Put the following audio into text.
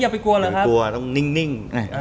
อย่าไปกลัวต้องนิ่ง